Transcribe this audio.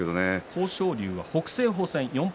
豊昇龍は北青鵬戦４敗